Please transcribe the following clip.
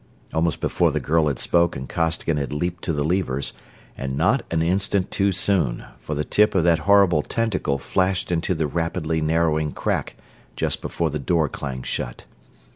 Almost before the girl had spoken Costigan had leaped to the levers, and not an instant too soon; for the tip of that horrible tentacle flashed into the rapidly narrowing crack just before the door clanged shut.